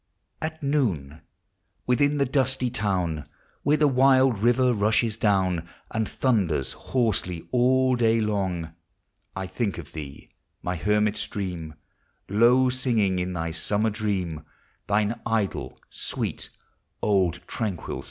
At noon, within the dusty town, Where the wild river rushes down, And thunders hoaraely all daj long, 1 think of thee, my hennil stream, Low singing in thv summer dream Thine idle, sweet, old, tranquil BOOg.